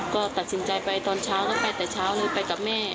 ก็ตัดสินใจไปตอนเช้าแล้วไปแต่เช้าเลยไปกับแม่